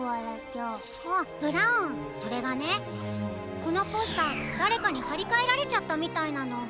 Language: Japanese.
このポスターだれかにはりかえられちゃったみたいなの。